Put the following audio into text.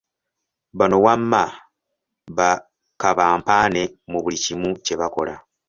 Bano wamma ba "Kabampaane" mu buli kimu kye bakola.